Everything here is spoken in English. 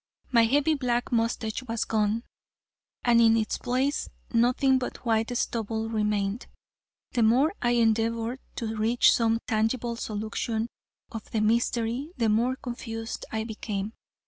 My heavy black mustache was gone, and in its place nothing but white stubble remained. The more I endeavored to reach some tangible solution of the mystery, the more confused I became.